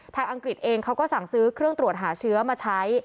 อังกฤษเองเขาก็สั่งซื้อเครื่องตรวจหาเชื้อมาใช้